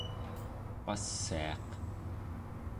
passiaq